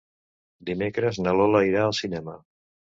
Dimecres na Lola irà al cinema.